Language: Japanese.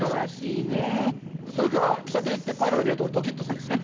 それから喫茶店行ってパフェが出るとドキッとするんですよ。